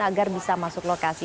agar bisa masuk lokasi